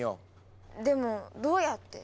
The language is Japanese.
でもどうやって？